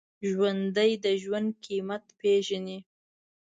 ژوندي د ژوند قېمت پېژني